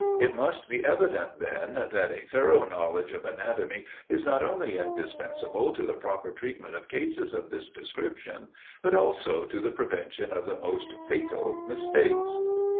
It must be evident, then, that a thorough knowledge of anatomy is not only indispensable to the proper treatment of cases of this description, but also to the prevention of the most fatal mistakes.